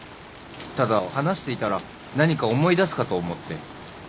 ただ話していたら何か思い出すかと思って。